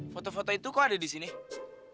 foto foto itu kok ada di depan mata